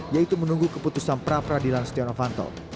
yaitu menunggu keputusan peradilan stiano fantos